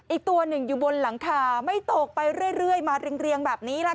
อีกตัวหนึ่งอยู่บนหลังคาไม่ตกไปเรื่อยมาเรียงแบบนี้ล่ะ